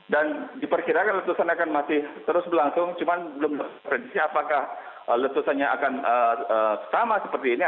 dan diperkirakan letusan akan masih terus berlangsung cuman belum predisi apakah letusannya akan sama seperti ini